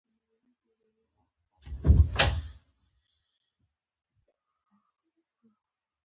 د مور او پلار سره ډیره نرمی پکار ده